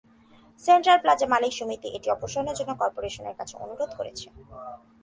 Central plaza মালিক সমিতি এটি অপসারণের জন্য করপোরেশনের কাছে অনুরোধ করছে।